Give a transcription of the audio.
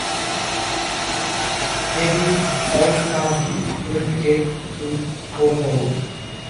Maybe auld Khan wouldn't get through the coal-hole.